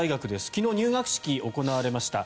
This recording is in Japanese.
昨日、入学式が行われました。